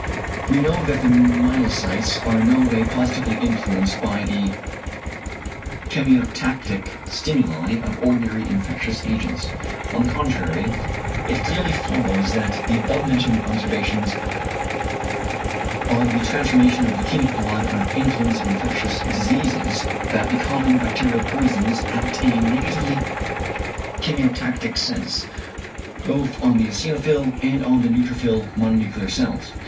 We know that the myelocytes are in no way positively influenced by the chemiotactic stimuli of ordinary infectious agents. On the contrary, it clearly follows from the above mentioned observations on the transformation of leukæmic blood under the influence of infectious diseases, that the common bacterial poisons act in a negatively chemiotactic sense, both on the eosinophil and on the neutrophil mononuclear cells.